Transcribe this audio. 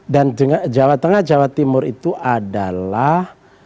dan jawa tengah dan jawa timur itu adalah